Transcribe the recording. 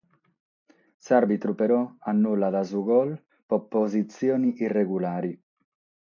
S'àrbitru però annullat su gol pro positzione irregulare.